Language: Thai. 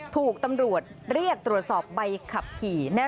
ถูกตำรวจเรียกตรวจสอบใบขับขี่